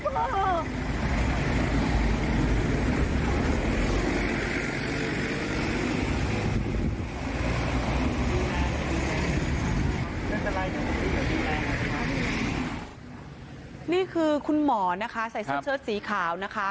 ดูแรงดูแรงนี่คือคุณหมอนะคะใส่เสื้อเชื้อสีขาวนะคะ